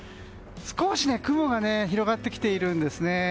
少し雲が広がってきているんですね。